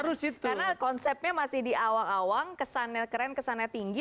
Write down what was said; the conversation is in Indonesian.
karena konsepnya masih di awang awang kesannya keren kesannya tinggi